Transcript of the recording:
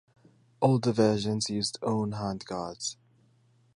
Older versions used own handguards.